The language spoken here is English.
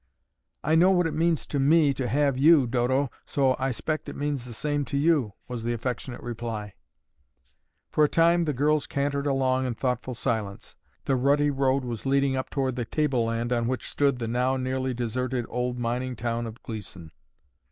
"I know what it means to me to have you, Dodo, so I 'spect it means the same to you," was the affectionate reply. For a time the girls cantered along in thoughtful silence. The rutty road was leading up toward the tableland on which stood the now nearly deserted old mining town of Gleeson.